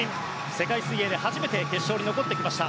世界水泳で初めて決勝に残ってきました。